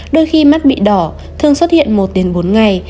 đôi khi mắt bị đỏ thường xuất hiện một đến bốn ngày